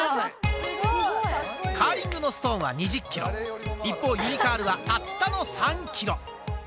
カーリングのストーンは２０キロ、一方、ユニカールはたったの３キロ。